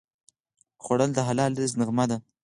خوړل د حلال رزق نغمه ده